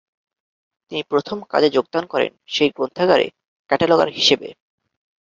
তিনি প্রথম কাজে যোগদান করেন সেই গ্রন্থাগারে ক্যাটালগার হিসেবে।